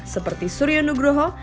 seperti surya nugroho